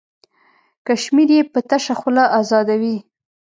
کشمیر یې په تشه خوله ازادوي.